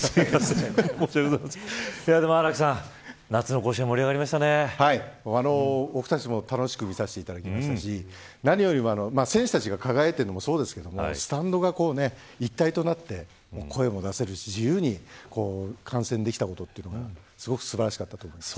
荒木さん、夏の甲子園楽しく見させていただきましたし何よりも、選手たちが輝いているのもそうですがスタンドが一体となって声も出せるし自由に観戦できたことというのがすごく素晴らしかったと思います。